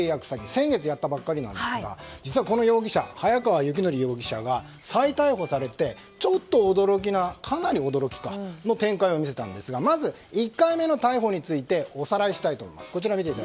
先月、やったばかりですが実は、こちらの早川幸範容疑者が再逮捕されてかなり驚きの展開を見せたんですがまず、１回目の逮捕についておさらいしたいと思います。